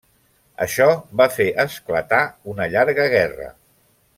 Això va fer esclatar una llarga guerra.